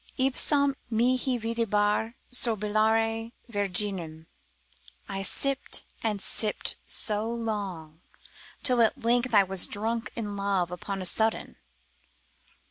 Ipsam mihi videbar sorbillare virginem, I sipped and sipped so long, till at length I was drunk in love upon a sudden.